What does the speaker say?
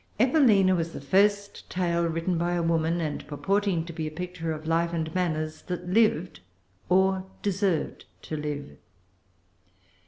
Evelina was the first tale written by a woman, and purporting to be a picture of life and manners, that lived or deserved to live.